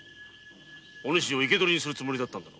お主を生け捕りにするつもりだったのだ。